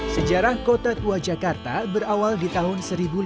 sejarah kota tua jakarta berawal di tahun seribu lima ratus dua puluh enam